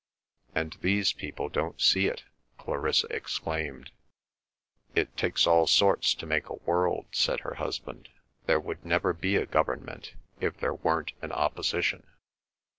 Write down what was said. "And these people don't see it!" Clarissa exclaimed. "It takes all sorts to make a world," said her husband. "There would never be a government if there weren't an opposition."